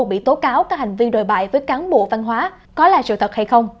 bị tố cáo có hành vi đồi bại với cán bộ văn hóa có là sự thật hay không